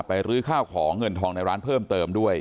รื้อข้าวของเงินทองในร้านเพิ่มเติมด้วย